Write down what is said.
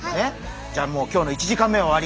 じゃあもう今日の１時間目は終わり。